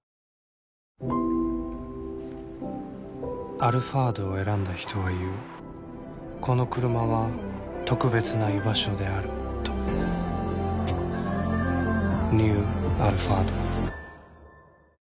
「アルファード」を選んだ人は言うこのクルマは特別な居場所であるとニュー「アルファード」